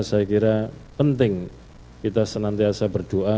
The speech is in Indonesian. saya kira penting kita senantiasa berdoa